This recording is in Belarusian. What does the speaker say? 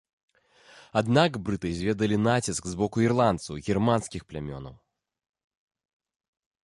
Аднак брыты зведалі націск з боку ірландцаў і германскіх плямёнаў.